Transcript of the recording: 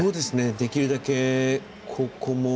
できるだけ、ここも。